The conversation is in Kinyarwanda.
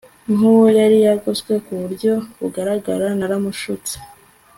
nkuwo yari yagoswe kuburyo bugaragara naramushutse